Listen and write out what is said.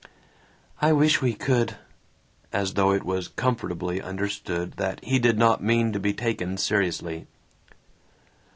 "I wish we could." As though it was comfortably understood that he did not mean to be taken seriously.